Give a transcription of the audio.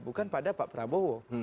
bukan pada pak prabowo